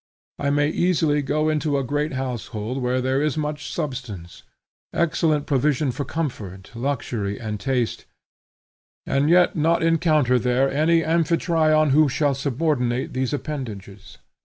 I may easily go into a great household where there is much substance, excellent provision for comfort, luxury, and taste, and yet not encounter there any Amphitryon who shall subordinate these appendages.